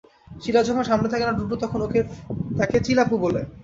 শিলা যখন সামনে থাকে না, টুটুল তখন ওকে ডাকে চিলাপু বলে।